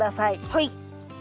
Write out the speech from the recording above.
はい。